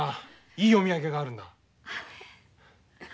いいお土産があるんだ。